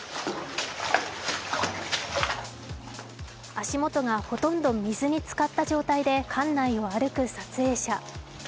足元がほとんど水につかった状態で館内を歩く撮影者。